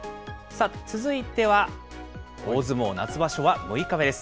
続いては大相撲夏場所は６日目です。